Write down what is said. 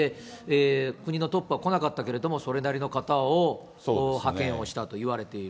国のトップは来なかったけれども、それなりの方を派遣をしたといわれている。